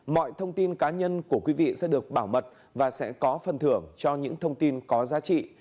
mọi thông tin cá nhân của quý vị sẽ được bảo mật và sẽ có phần thưởng cho những thông tin có giá trị